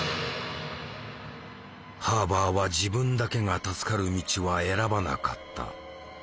ハーバーは自分だけが助かる道は選ばなかった。